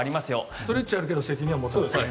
ストレッチやるけど責任は持てない。